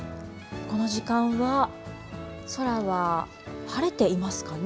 この時間は空は晴れていますかね。